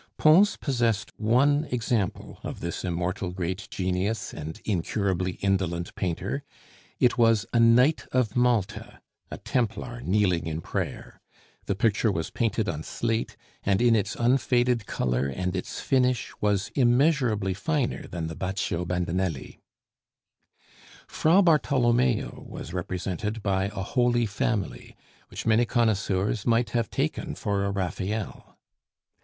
Pons possessed one example of this immortal great genius and incurably indolent painter; it was a Knight of Malta, a Templar kneeling in prayer. The picture was painted on slate, and in its unfaded color and its finish was immeasurably finer than the Baccio Bandinelli. Fra Bartolommeo was represented by a Holy Family, which many connoisseurs might have taken for a Raphael.